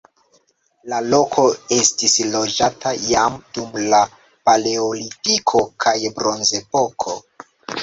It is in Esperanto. La loko estis loĝata jam dum la paleolitiko kaj bronzepoko.